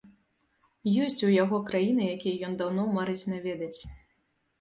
Ёсць у яго краіны, якія ён даўно марыць наведаць.